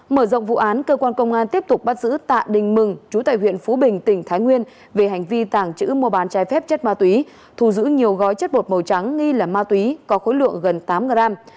mở rộng vụ án cơ quan công an tiếp tục bắt giữ tạ đình mừng chú tại huyện phú bình tỉnh thái nguyên về hành vi tàng trữ mua bán trái phép chất ma túy thù giữ nhiều gói chất bột màu trắng nghi là ma túy có khối lượng gần tám gram